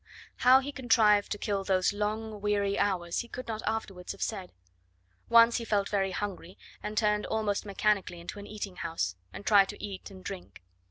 How he contrived to kill those long, weary hours he could not afterwards have said. Once he felt very hungry, and turned almost mechanically into an eating house, and tried to eat and drink.